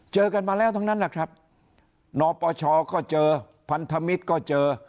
เจอกันมาแล้วทั้งนั้นแหละครับนปชก็เจอพันธมิตรก็เจอ